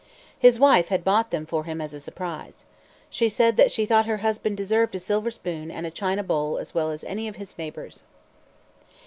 His wife had bought them for him as a surprise. She said that she thought her husband deserved a silver spoon and china bowl as well as any of his neighbors.